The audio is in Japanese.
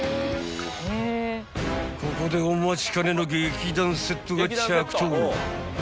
［ここでお待ちかねの劇団セットが着到］